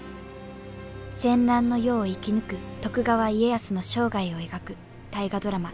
戦乱の世を生き抜く徳川家康の生涯を描く大河ドラマ